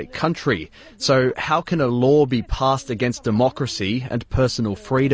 jadi bagaimana undang undang bisa diperlukan terhadap demokrasi dan kebebasan pribadi